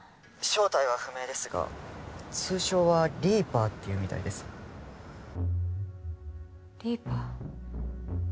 ☎正体は不明ですが通称はリーパーっていうみたいですリーパー？